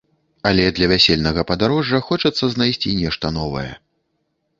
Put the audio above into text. Але для вясельнага падарожжа хочацца знайсці нешта новае.